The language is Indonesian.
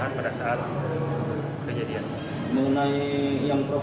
kan ada juga yang ditahan